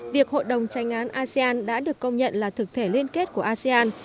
việc hội đồng tranh án asean đã được công nhận là thực thể liên kết của asean